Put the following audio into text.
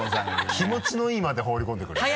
気持ちのいい間で放り込んでくるよね。